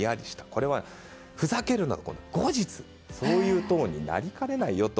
これは、ふざけるなと後日そういうトーンになりかねないと。